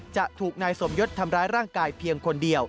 จะถูกนายสมยศทำร้ายร่างกายเพียงคนเดียว